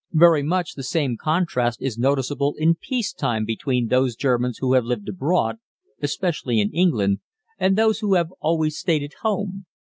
Very much the same contrast is noticeable in peace time between those Germans who have lived abroad (especially in England) and those who have always stayed at home.